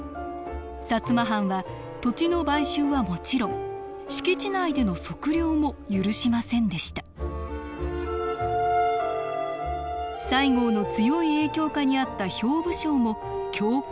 薩摩藩は土地の買収はもちろん敷地内での測量も許しませんでした西郷の強い影響下にあった兵部省も強硬な反対派でした。